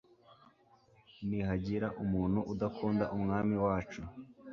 nihagira umuntu udakunda umwami wacu